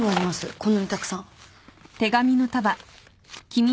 こんなにたくさん。